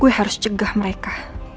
gue harus cegah mereka